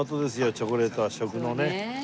チョコレートは食のね。